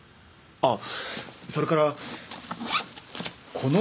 ああ。